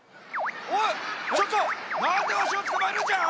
おいちょっとなんでわしをつかまえるんじゃ！？